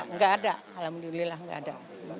enggak ada alhamdulillah enggak ada